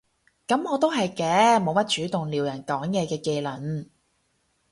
噉我都係嘅，冇乜主動撩人講嘢嘅技能